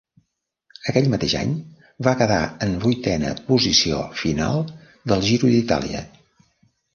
Aquell mateix any va quedar en vuitena posició final del Giro d'Itàlia.